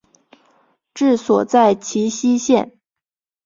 治所在齐熙县。